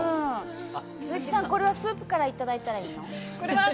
これはスープからいただいたらいいの？